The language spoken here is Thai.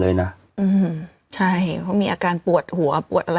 เราก็มีความหวังอะ